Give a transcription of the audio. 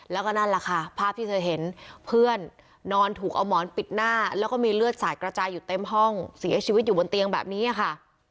แล้วก็นั่นแหละค่ะภาพที่เธอเห็นเพื่อนนอนถูกเอาหมอนปิดหน้าแล้วก็มีเลือดสาดกระจายอยู่เต็มห้องเสียชีวิตอยู่บนเตียงแบบนี้ค่ะ